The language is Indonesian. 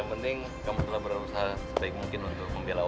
yang penting kamu telah berusaha sebaik mungkin untuk membela